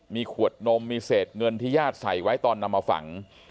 มีขวดนมมีเศษเงินที่ญาติใส่ไว้ตอนนำมาฝัง